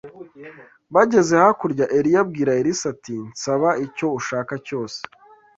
Bageze hakurya, Eliya abwira Elisa ati: “Nsaba icyo ushaka cyose